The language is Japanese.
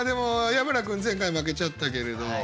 矢花君前回負けちゃったけれど。